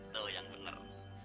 tuh yang bener